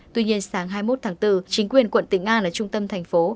tuy nhiên sáng hai mươi một tháng bốn chính quyền quận tỉnh an ở trung tâm thành phố